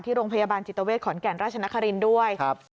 ที่โรงพยาบาลจิตเวชขอนแก่นราชนครินต์ด้วย